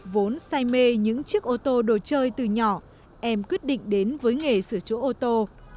vốn say mê những chiếc ô tô đồ chơi từ nhỏ em quyết định đến với nghề sửa chữa ô tô